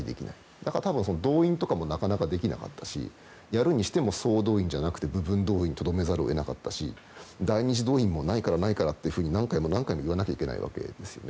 だから動員とかもなかなかできなかったしやるにしても、総動員じゃなくて部分動員にとどめざるを得なかったし第２次動員もないからないからと何回も言わなきゃいけないわけですね。